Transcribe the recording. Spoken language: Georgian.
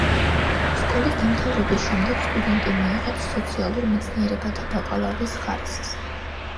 სკოლის დამთავრების შემდეგ სტუდენტი მიიღებს სოციალურ მეცნიერებათა ბაკალავრის ხარისხს.